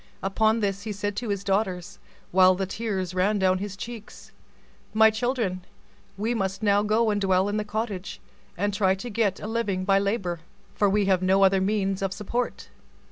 Upon this he said to his daughters, while the tears ran down his cheeks, "My children, we must now go and dwell in the cottage, and try to get a living by labor, for we have no other means of support."